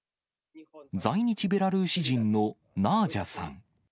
在日ベラルーシ人のナージャさん。